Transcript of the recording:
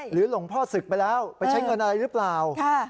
หลวงพ่อศึกไปแล้วไปใช้เงินอะไรหรือเปล่า